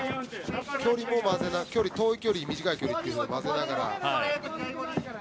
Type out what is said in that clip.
距離も遠い距離、短い距離を混ぜながら。